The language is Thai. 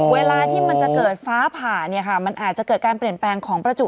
เวลาที่มันจะเกิดฟ้าผ่าเนี่ยค่ะมันอาจจะเกิดการเปลี่ยนแปลงของประจุ